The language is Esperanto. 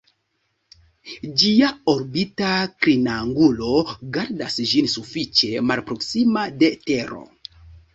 Ĝia orbita klinangulo gardas ĝin sufiĉe malproksima de Tero.